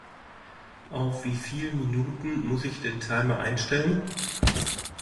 Auf wie viel Minuten muss ich den Timer einstellen?